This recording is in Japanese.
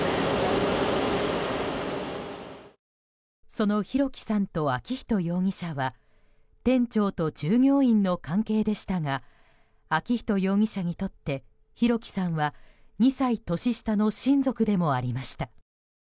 その弘輝さんと昭仁容疑者は店長と従業員の関係でしたが昭仁容疑者にとって弘輝さんは、２歳年下の親族でもありました。